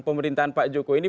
pemerintahan pak joko ini